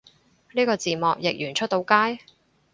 呢個字幕譯完出到街？